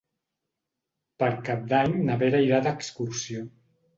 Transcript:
Per Cap d'Any na Vera irà d'excursió.